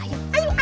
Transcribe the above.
apa kata tetangga